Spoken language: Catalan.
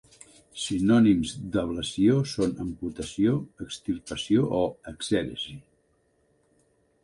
Sinònims d'ablació són amputació, extirpació o exèresi.